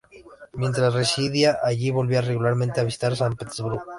Mientras residía allí, volvía regularmente a visitar San Petersburgo.